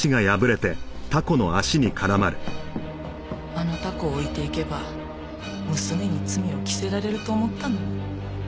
あのタコを置いていけば娘に罪を着せられると思ったのに。